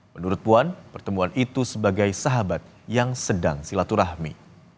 menurut puan pertemuan itu sebagai sahabat yang sedang silaturahmi